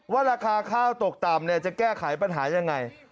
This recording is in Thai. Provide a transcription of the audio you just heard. ราคาข้าวตกต่ำจะแก้ไขปัญหายังไง